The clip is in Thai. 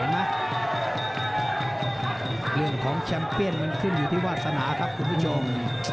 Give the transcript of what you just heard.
เรื่องของแชมเปี้ยนมันขึ้นอยู่ที่วาสนาครับคุณผู้ชม